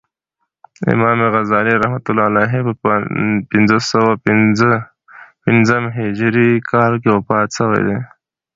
امام غزالی رحمة الله په پنځه سوه پنځم هجري کال کښي وفات سوی دئ.